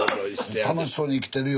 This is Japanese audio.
楽しそうに生きてるよ。